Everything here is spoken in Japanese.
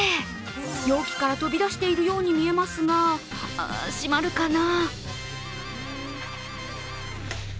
容器から飛び出しているように見えますが、閉まるかな？